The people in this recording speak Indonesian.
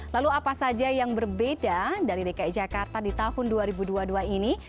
lalu apa saja yang berbeda dari dki jakarta di tahun dua ribu dua puluh dua ini